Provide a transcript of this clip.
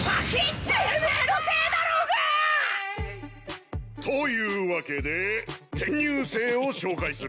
てめえのせいだろうがっ！というわけで転入生を紹介する。